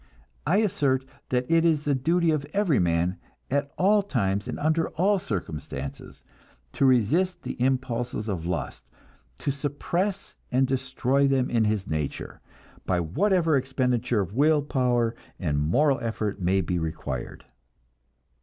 I assert that it is the duty of every man, at all times and under all circumstances, to resist the impulses of lust, to suppress and destroy them in his nature, by whatever expenditure of will power and moral effort may be required.